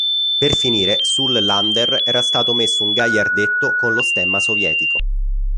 Per finire, sul lander era stato messo un gagliardetto con lo stemma sovietico.